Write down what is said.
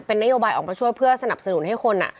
นโยบายออกมาช่วยเพื่อสนับสนุนให้คน